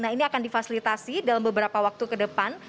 nah ini akan difasilitasi dalam beberapa waktu ke depan